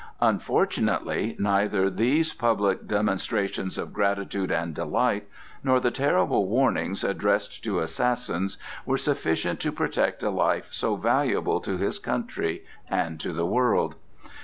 Unfortunately neither these public demonstrations of gratitude and delight, nor the terrible warnings addressed to assassins were sufficient to protect a life so valuable to his country and to the world.